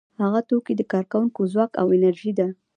هغه توکي د کارکوونکو ځواک او انرژي ده